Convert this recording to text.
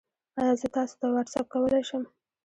ایا زه تاسو ته واټساپ کولی شم؟